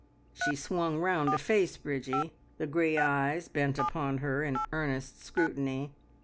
She swung round to face Bridgie, the grey eyes bent upon her in earnest scrutiny.